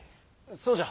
そうじゃ。